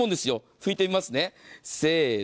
拭いてみますね。